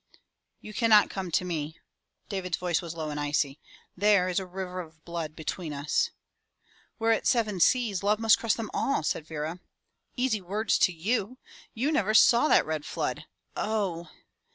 "You cannot come to me," David's voice was low and icy. "There is a river of blood between us." "Were it seven seas, love must cross them all," said Vera. "Easy words to you. You never saw that red flood. Oh!"